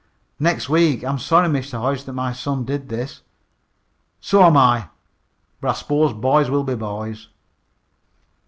"Next week. I am sorry, Mr. Hodge, that my son did this." "So am I. But I s'pose boys will be boys."